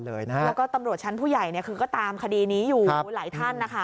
แล้วก็ตำรวจชั้นผู้ใหญ่คือก็ตามคดีนี้อยู่หลายท่านนะคะ